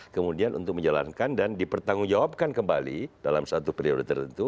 kemudian untuk menjalankan dan dipertanggungjawabkan kembali dalam satu periode tertentu